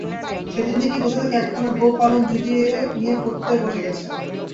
সেদিন দেখি কোথা থেকে একখানা গো-পালন জুটিয়ে নিয়ে পড়তে বসে গেছেন।